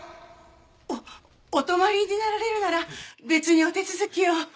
おお泊まりになられるなら別にお手続きを。